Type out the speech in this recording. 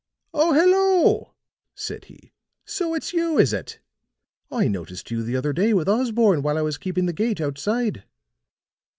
"Oh, hello," said he. "So it's you, is it? I noticed you the other day with Osborne while I was keeping the gate, outside."